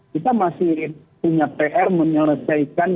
kita masih punya pr menyelesaikan